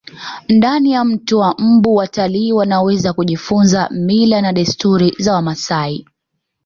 ndani ya mto wa mbu watalii wanaweza kujifunza mila na desturi za wamasai